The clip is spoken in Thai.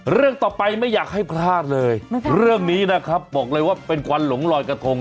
เรื่องต่อไปไม่อยากให้พลาดเลยเรื่องนี้นะครับบอกเลยว่าเป็นควันหลงลอยกระทง